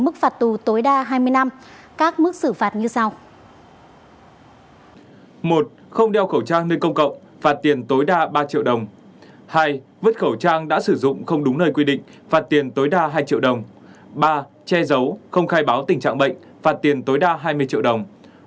ba che giấu không khai báo tình trạng bệnh phạt tiền tối đa hai mươi triệu đồng